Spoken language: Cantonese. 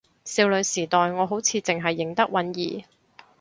少女時代我好似淨係認得允兒